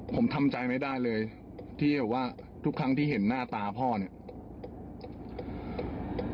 ผมทำใจไม่ได้เลยที่แบบว่าทุกครั้งที่เห็นหน้าตาพ่อเนี่ย